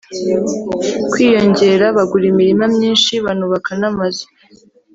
kwiyongera, bagura imirima myinshi banubaka n’amazu